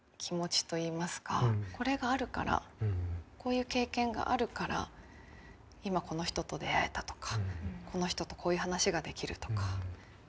これがあるからこういう経験があるから今この人と出会えたとかこの人とこういう話ができるとか。